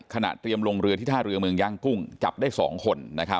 เตรียมลงเรือที่ท่าเรือเมืองย่างกุ้งจับได้๒คน